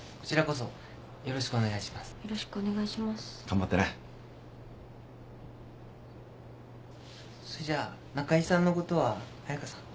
そいじゃあ仲依さんのことは彩佳さん。